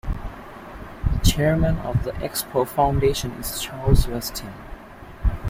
The chairman of the Expo foundation is Charles Westin.